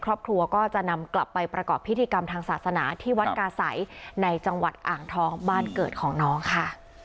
ครอบครัวก็จะนำกลับไปประกอบพิธีกรรมทางศาสนาที่วัดกาศัยในจังหวัดอ่างทองบ้านเกิดของน้องค่ะ